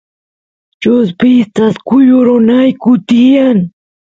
chuspista kuyurinayku tiyan